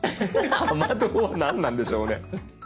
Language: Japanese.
雨どう何なんでしょうね。